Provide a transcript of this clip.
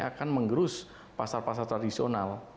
akan menggerus pasar pasar tradisional